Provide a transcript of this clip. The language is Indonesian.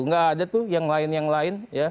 ga ada tuh yang lain lain